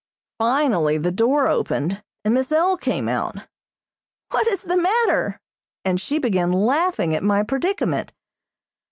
Finally the door opened, and Miss L. came out. "What is the matter?" and she began laughing at my predicament.